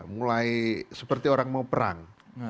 mulai seperti orang mau perang